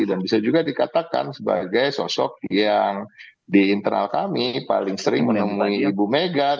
dan bisa juga dikatakan sebagai sosok yang di internal kami paling sering menemui ibu megawati